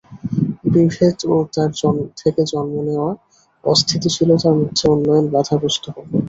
বিভেদ ও তার থেকে জন্ম নেওয়া অস্থিতিশীলতার মধ্যে উন্নয়ন বাধাগ্রস্ত হবে।